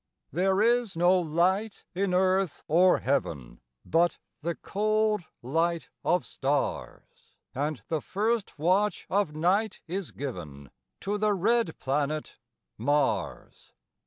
There is no light in earth or heaven, But the cold light of stars; And the first watch of night is given To the red planet Mars.